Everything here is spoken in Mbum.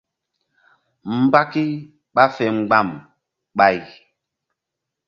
Mbaki ɓa fe mgba̧m ɓay.